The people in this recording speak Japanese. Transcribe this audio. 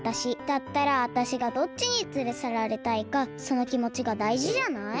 だったらわたしがどっちにつれさられたいかそのきもちがだいじじゃない？